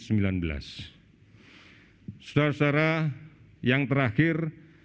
saudara saudara yang terakhir